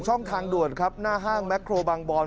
ช่องทางด่วนครับหน้าห้างแม็กโครบางบอน